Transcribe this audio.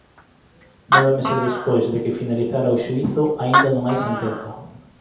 Nove meses despois de que finalizara o xuízo aínda non hai sentenza.